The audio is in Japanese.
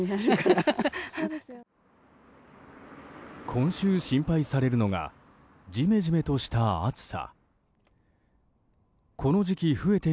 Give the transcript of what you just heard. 今週、心配されるのがジメジメとした暑さ。